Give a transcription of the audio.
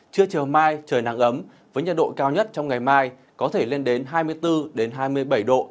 trưa chiều mai trời nắng ấm với nhiệt độ cao nhất trong ngày mai có thể lên đến hai mươi bốn hai mươi bảy độ